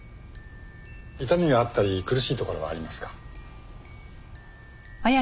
痛みがあったり苦しいところはありますか？